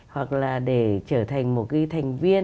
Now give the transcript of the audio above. hoặc là để trở thành một cái thành viên